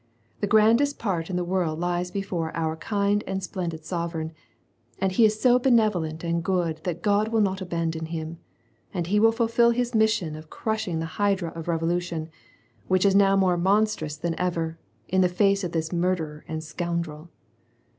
The grandest part in the world lies before our kind and splendid sovereign, and he is so benevolent and good that God will not abandon him, and he will fulfil his mission of crushing the hydra of revolu tion, which is now more monstrous than ever, in the face of this murderer and scoundrel.